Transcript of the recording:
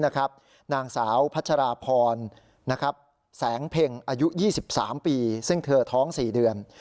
นางสาวพัชราพรแสงเพ็งอายุ๒๓ปีซึ่งเธอท้อง๔เดือน